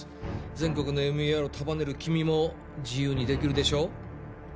全国のＭＥＲを束ねる君も自由にできるでしょ